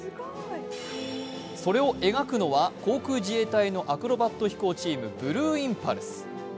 それを描くのは、航空自衛隊のアクロバット飛行チーム、ブルーインパルス。